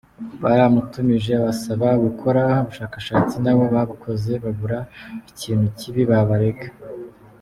Baramutumije abasaba gukora ubushakashatsi, nabo babukoze babura ikintu kibi babarega.